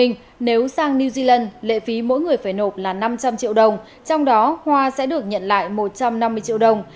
nếu sang new zealand lệ phí mỗi người phải nộp là năm trăm linh triệu đồng trong đó hoa sẽ được nhận lại một trăm năm mươi triệu đồng